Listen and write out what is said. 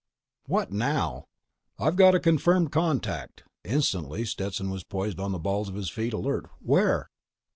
"What now?" "I've got a confirmed contact." Instantly, Stetson was poised on the balls of his feet, alert. "Where?"